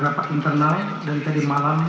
rapat internal dari tadi malam